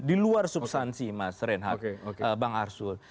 di luar substansi mas reinhardt bang arsul